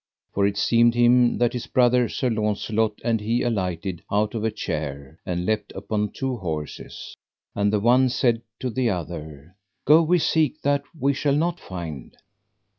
For it seemed him that his brother, Sir Launcelot, and he alighted out of a chair and leapt upon two horses, and the one said to the other: Go we seek that we shall not find.